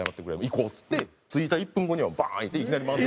行こう」っつって着いた１分後にはバーンいっていきなり漫才。